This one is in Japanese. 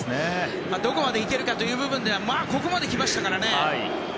どこまで行けるかという部分ではここまで来ましたからね。